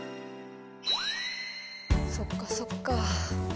そっかそっか。